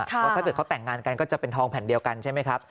เพราะถ้าเกิดเขาแต่งงานกันก็จะเป็นทองแผ่นเดียวกันใช่ไหมครับ